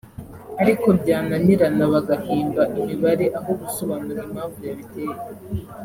ariko byananirana bagahimba imibare aho gusobanura impamvu yabiteye